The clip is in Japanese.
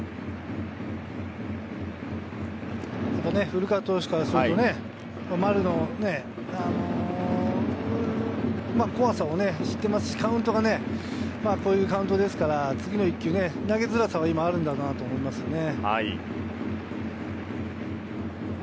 古川投手からすると、丸の怖さを知ってますし、カウントがこういうカウントですから、次の一球、投げづらさは今あるんだろうなと思いますね。